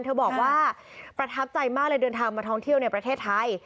เธอบอกว่าประทับใจมากเลยเดินทางมาท่องเที่ยวในประเทศไทย